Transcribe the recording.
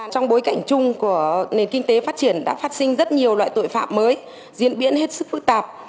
trong bối cảnh chung của nền kinh tế phát triển đã phát sinh rất nhiều loại tội phạm mới diễn biến hết sức phức tạp